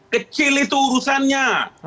kecil itu urusannya